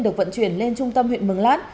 được vận chuyển lên trung tâm huyện mường lát